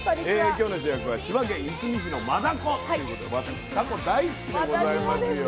今日の主役は千葉県いすみ市のマダコっていうことで私タコ大好きでございますよ。